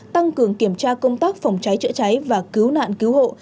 tăng cường kiểm tra công tác phòng trái trợ trái và cứu nạn cứu hộ